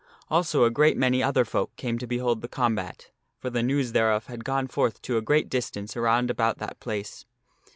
Also a great many other folk came to behold the combat, for the news thereof had gone forth to a great distance around about that place.